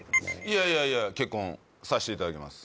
いやいやいや結婚させていただきます